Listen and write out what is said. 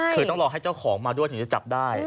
คือต้องรอให้เจ้าของมาด้วยถึงจะจับได้